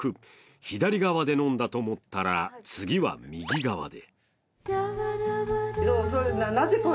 左側で飲んだと思ったら次は右側で。